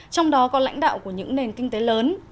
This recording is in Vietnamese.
trong đó có lãnh đạo của những nền kinh tế lớn